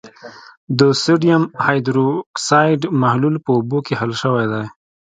د سوډیم هایدروکسایډ محلول په اوبو کې حل شوی دی.